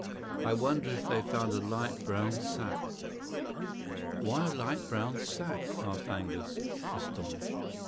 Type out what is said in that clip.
I wonder if they found a light brown sack." "Why a light brown sack?" asked Angus, astonished.